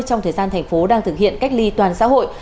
trong thời gian thành phố đang thực hiện cách ly toàn xã hội